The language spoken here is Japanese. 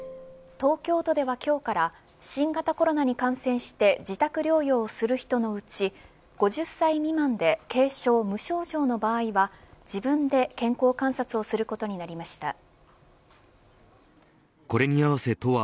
東京都では今日から新型コロナに感染して自宅療養をする人のうち５０歳未満で軽症、無症状の場合は自分で健康観察をすることになりました。